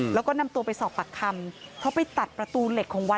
แล้วก็นำตัวไปสอบปากคำเขาไปตัดประตูเหล็กของวัด